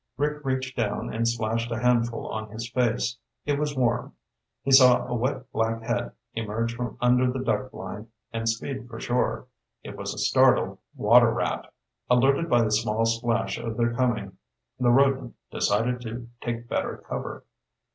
Rick reached down and splashed a handful on his face. It was warm. He saw a wet black head emerge from under the duck blind and speed for shore. It was a startled water rat. Alerted by the small splash of their coming, the rodent decided to take better cover.